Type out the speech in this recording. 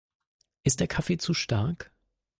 Ist der Kaffee zu stark?